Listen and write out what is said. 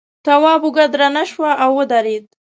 تواب اوږه درنه شوه او ودرېد.